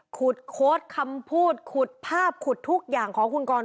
โค้ดคำพูดขุดภาพขุดทุกอย่างของคุณกร